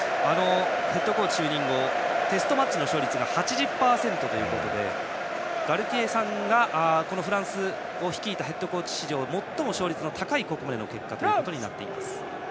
ヘッドコーチ就任後テストマッチの勝率８０％ということでガルティエさんがフランスを率いたヘッドコーチ史上最も勝率の高い結果となります。